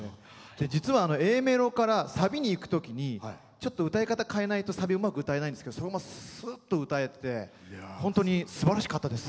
実はＡメロからサビにいくときに歌い方を変えないとサビうまく歌えないんだけどそれをすっと歌えて本当にすばらしかったです。